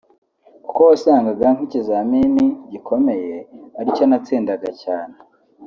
kuko wasangaga nk’ikizamini gikomeye aricyo natsindaga neza cyane